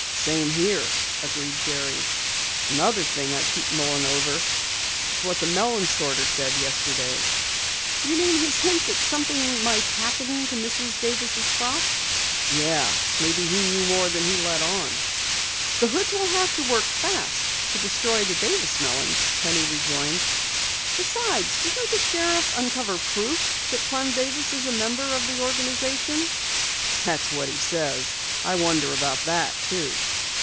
"Same here," agreed Jerry. "Another thing, I keep mulling over what that melon sorter said yesterday." "You mean his hint that something might happen to Mrs. Davis' crop?" "Yeah. Maybe he knew more than he let on." "The Hoods will have to work fast if they destroy the Davis melons," Penny rejoined. "Besides, didn't the sheriff uncover proof that Clem Davis is a member of the organization?" "That's what he says. I wonder about that too."